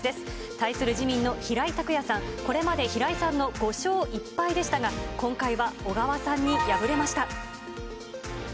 対する自民の平井卓也さん、これまで平井さんの５勝１敗でしたが、今回は小川さんに敗れました。